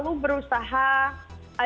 super awal di hari